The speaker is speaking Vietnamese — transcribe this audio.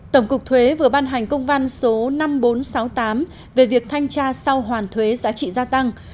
tổng cục thuế vừa ban hành công văn số năm nghìn bốn trăm sáu mươi tám về việc thanh tra sau hoàn thuế giá trị gia tăng